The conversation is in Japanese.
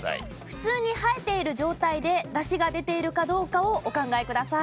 普通に生えている状態でダシが出ているかどうかをお考えください。